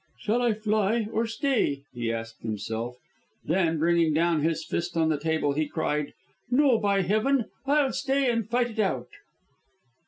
"Shall I fly or stay?" he asked himself; then, bringing down his fist on the table, he cried: "No, by Heaven! I'll stay and fight it out!"